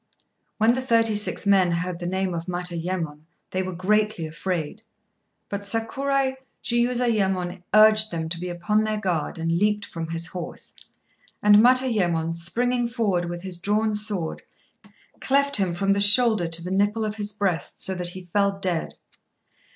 When the thirty six men heard the name of Matayémon, they were greatly afraid; but Sakurai Jiuzayémon urged them to be upon their guard, and leaped from his horse; and Matayémon, springing forward with his drawn sword, cleft him from the shoulder to the nipple of his breast, so that he fell dead.